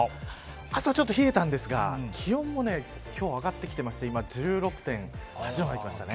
朝ちょっと冷えたんですが気温も今日、上がってきてまして今１６．８度まできましたね。